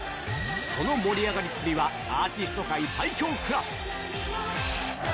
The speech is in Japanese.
その盛り上がりっぷりはアーティスト界最強クラス。